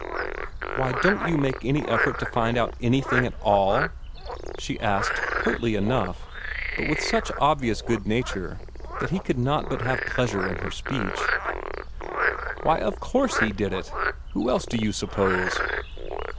"Why, don't you make any effort to find out anything at ALL?" she asked pertly enough, but with such obvious good nature that he could not but have pleasure in her speech. "Why, of course he did it! Who else did you suppose?"